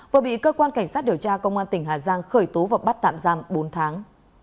vừa bị cơ quan cảnh sát điều tra công an tỉnh hà giang khởi tố và bắt tạm giam bốn tháng